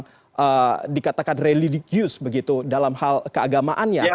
memang dikatakan religius begitu dalam hal keagamaannya